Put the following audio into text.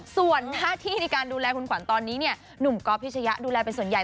ส่วนท่าที่ในการดูแลคุณขวัญตอนนี้เนี่ยหนุ่มก๊อฟพิชยะดูแลเป็นส่วนใหญ่